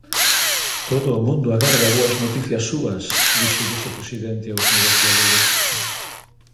Todo o mundo agarda boas noticias súas, díxolles o presidente aos negociadores.